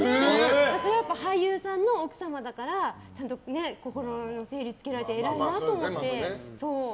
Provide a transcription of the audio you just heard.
それは、俳優さんの奥様だからちゃんと心の整理がつけられて偉いなと思って。